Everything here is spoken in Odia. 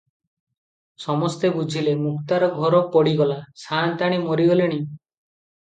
ସମସ୍ତେ ବୁଝିଲେ, ମୁକ୍ତାର ଘର ପୋଡ଼ିଗଲା, ସାଆନ୍ତାଣୀ ମରିଗଲେଣି ।